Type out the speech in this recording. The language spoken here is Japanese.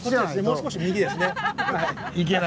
もう少し右ですね。